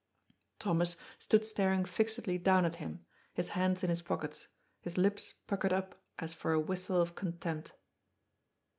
Thomas stood staring fixedly down at him, his hands in his pockets, his lips puckered up as for a whistle of con tempt.